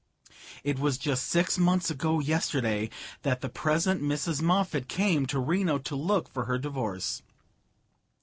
It was just six months ago yesterday that the present Mrs. Moffatt came to Reno to look for her divorce.